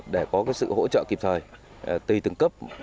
để có sự hỗ trợ kịp thời tùy từng cấp